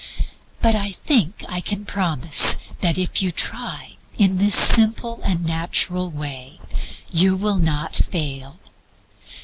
But I think I can promise that if you try in this simple and natural way, you will not fail.